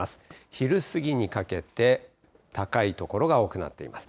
昼過ぎにかけて高い所が多くなっています。